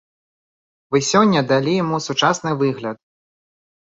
Вы сёння далі яму сучасны выгляд.